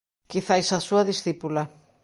Quizais a súa discípula.